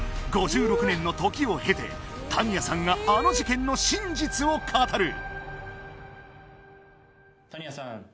５６年の時をへてタニアさんがあの事件の真実を語る！